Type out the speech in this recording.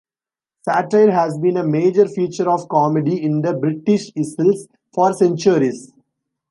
Satire has been a major feature of comedy in the British isles for centuries.